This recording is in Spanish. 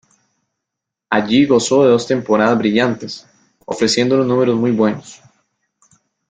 Allí gozó de dos temporadas brillantes, ofreciendo unos números muy buenos.